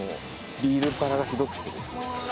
ビールっ腹がひどくてですね